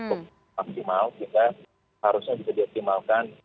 untuk maksimal kita harusnya bisa dioptimalkan